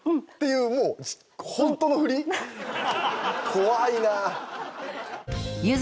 怖いな。